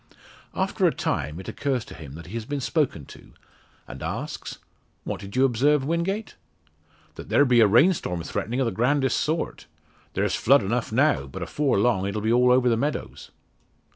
After a time it occurs to him he has been spoken to and asks "What did you observe, Wingate?" "That there be a rain storm threatening o' the grandest sort. There's flood enough now; but afore long it'll be all over the meadows."